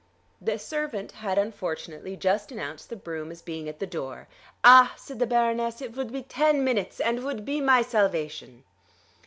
The servant had unfortunately just announced the brougham as being at the door. "Ah," said the Baroness, "it vould be ten minutes, and vould be my salvation."